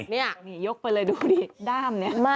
นี่ยกไปเลยดูดิด้ามเนี่ย